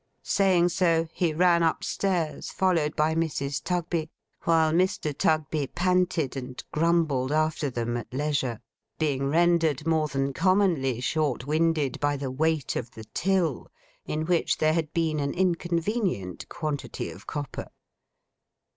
Saying so, he ran up stairs, followed by Mrs. Tugby; while Mr. Tugby panted and grumbled after them at leisure: being rendered more than commonly short winded by the weight of the till, in which there had been an inconvenient quantity of copper.